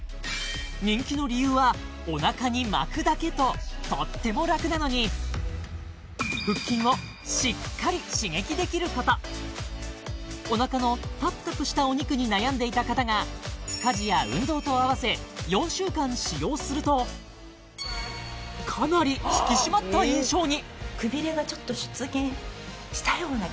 人気の理由はお腹に巻くだけととっても楽なのに腹筋をしっかり刺激できることお腹のたぷたぷしたお肉に悩んでいた方が家事や運動とあわせ４週間使用するとかなり引き締まった印象に！